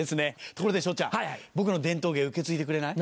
ところで昇ちゃん僕の伝統芸受け継いでくれない？